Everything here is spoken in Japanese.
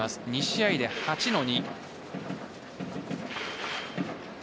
２試合で８の２。